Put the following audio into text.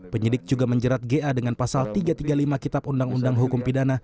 penyidik juga menjerat ga dengan pasal tiga ratus tiga puluh lima kitab undang undang hukum pidana